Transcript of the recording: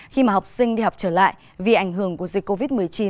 khi mà học sinh đi học trở lại vì ảnh hưởng của dịch covid một mươi chín